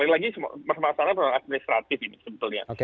sekali lagi masalah administratif ini sebetulnya